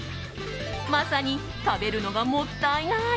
まさに食べるのがもったいない！